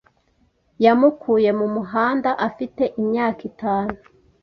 yamukuye mu muhanda afite imyaka itanu